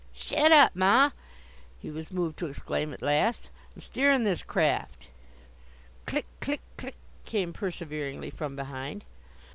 "Shet up, ma!" he was moved to exclaim at last. "I'm steerin' this craft." "Click! click! click!" came perseveringly from behind.